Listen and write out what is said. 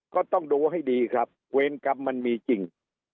ก็ต้องดูให้ดีครับเวรกรรมมันมีจริง